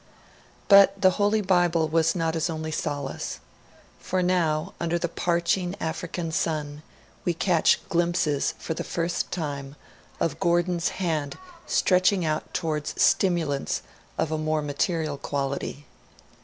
But the Holy Bible was not his only solace. For now, under the parching African sun, we catch glimpses, for the first time, of Gordon's hand stretching out towards stimulants of a more material quality.